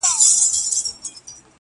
كډي كوم وطن ته وړي دا كور خرابي-